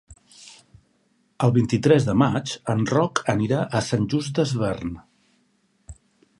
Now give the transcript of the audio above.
El vint-i-tres de maig en Roc anirà a Sant Just Desvern.